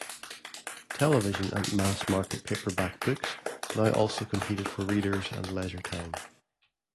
Television and mass market paperback books now also competed for readers and leisure time.